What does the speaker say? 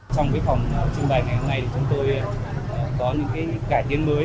trong cái phòng trưng bày ngày hôm nay thì chúng tôi có những cái cải tiến mới